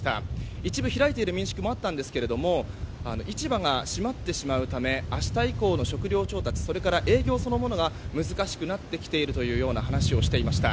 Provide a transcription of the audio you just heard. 一部、開いている民宿もあったんですが市場が閉まってしまうため明日以降の食料調達営業そのものが難しくなってきていると話をしていました。